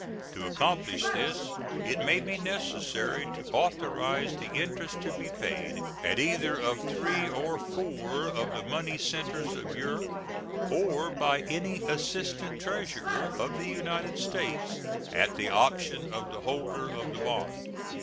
To accomplish this it may be necessary to authorize the interest to be paid at either of three or four of the money centers of Europe, or by any assistant treasurer of the United States, at the option of the holder of the bond.